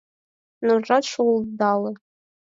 Нуржат шулдале